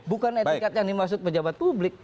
bukan etikat yang dimaksud pejabat publik